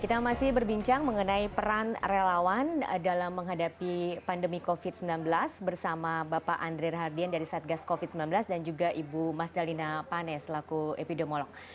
kita masih berbincang mengenai peran relawan dalam menghadapi pandemi covid sembilan belas bersama bapak andrir hardian dari satgas covid sembilan belas dan juga ibu mas dalina pane selaku epidemiolog